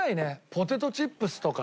ポテトチップスとか。